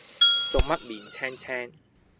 做乜面青青